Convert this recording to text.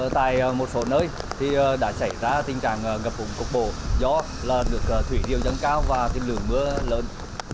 tại một số nơi đã xảy ra tình trạng ngập bụng cục bổ gió lần được thủy điêu dâng cao và lửa mưa lớn